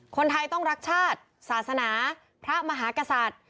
คนไทยต้องรักชาติศาสนาพระมหากษัตริย์